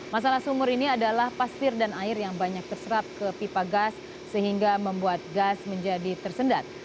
masalah sumur ini adalah pasir dan air yang banyak terserap ke pipa gas sehingga membuat gas menjadi tersendat